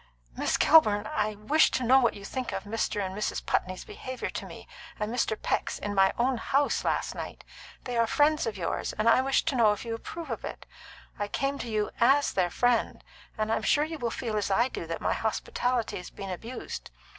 "Miss Kilburn, I wish to know what you think of Mr. and Mrs. Putney's behaviour to me, and Mr. Peck's, in my own house, last night. They are friends of yours, and I wish to know if you approve of it. I come to you as their friend, and I am sure you will feel as I do that my hospitality has been abused.